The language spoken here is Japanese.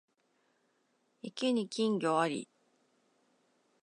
池に金魚あり